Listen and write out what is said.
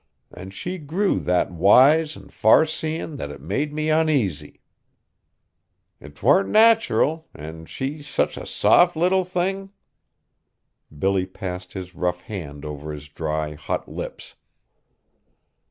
An' she grew that wise an' far seein' that it made me oneasy. 'T warn't nateral, an' she such a soft little thin'!" Billy passed his rough hand over his dry, hot lips.